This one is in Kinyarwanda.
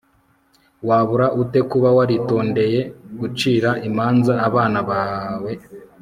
wabura ute kuba waritondeye gucira imanza abana bawe